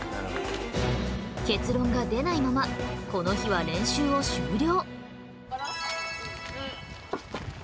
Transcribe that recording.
結論が出ないままこの日は練習を終了。